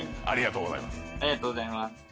ありがとうございます。